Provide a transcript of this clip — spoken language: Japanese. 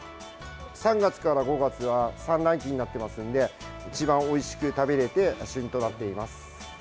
３月から５月は産卵期になってますので一番おいしく食べられて旬となっています。